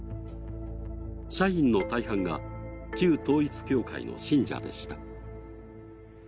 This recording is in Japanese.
社員の大半が旧統一教会の信者でした。